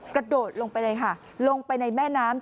กระโดดลงไปเลยค่ะลงไปในแม่น้ำ